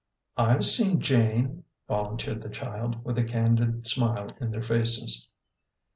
" I've seen Jane," volunteered the child, with a candid smile in their faces.